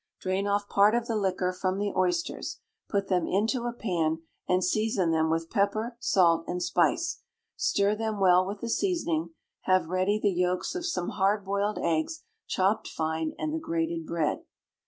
Drain off part of the liquor from the oysters. Put them into a pan, and season them with pepper, salt, and spice. Stir them well with the seasoning. Have ready the yolks of some hard boiled eggs, chopped fine, and the grated bread.